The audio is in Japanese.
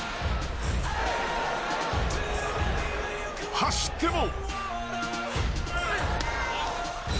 走っても。